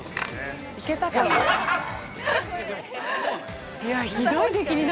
いけたかな？